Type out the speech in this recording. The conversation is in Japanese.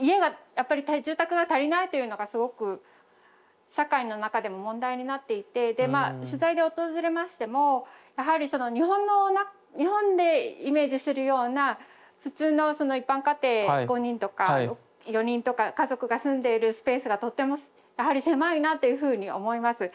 家がやっぱり住宅が足りないというのがすごく社会の中でも問題になっていてでまあ取材で訪れましてもやはり日本でイメージするような普通の一般家庭５人とか４人とか家族が住んでいるスペースがとってもやはり狭いなというふうに思います。